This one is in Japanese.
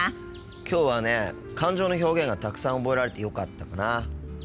きょうはね感情の表現がたくさん覚えられてよかったかな。